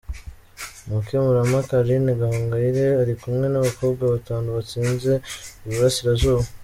Umukemurampaka Aline Gahongayire arikumwe n’abakobwa batanu batsinze Iburasirazuba.